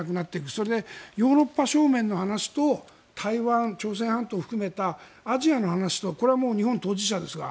それでヨーロッパ正面の話と台湾、朝鮮半島情勢を含めたアジアの話とこれはもう日本が当事者ですが。